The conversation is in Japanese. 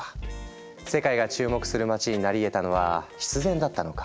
世界が注目する街になりえたのは必然だったのか？